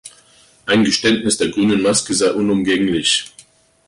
Ein Geständnis der grünen Maske sei unumgänglich.